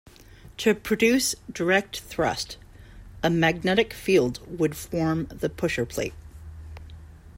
To produce direct thrust, a magnetic field would form the pusher plate.